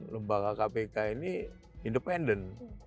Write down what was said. lembaga kpk ini independen